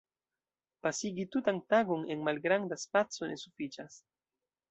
Pasigi tutan tagon en malgranda spaco ne sufiĉas.